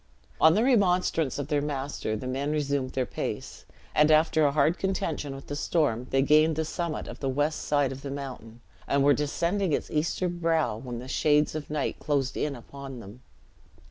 On the remonstrance of their master, the men resumed their pace; and after a hard contention with the storm, they gained the summit of the west side of the mountain, and were descending its eastern brow, when the shades of night closed in upon them.